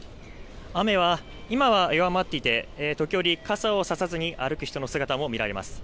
雨は今は弱まっていて時折、傘を差さずに歩く人の姿も見られます。